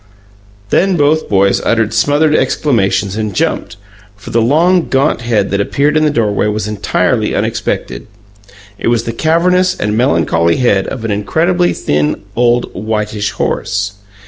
Then both boys uttered smothered exclamations and jumped, for the long, gaunt head that appeared in the doorway was entirely unexpected. It was the cavernous and melancholy head of an incredibly thin, old, whitish horse.